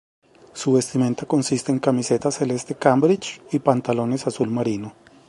Su vestimenta consiste en camiseta celeste Cambridge y pantalones azul marino.